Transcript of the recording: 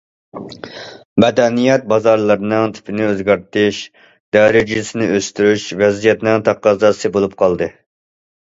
مەدەنىيەت بازارلىرىنىڭ تىپىنى ئۆزگەرتىش، دەرىجىسىنى ئۆستۈرۈش ۋەزىيەتنىڭ تەقەززاسى بولۇپ قالدى.